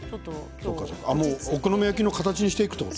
お好み焼きの形にしていくということ？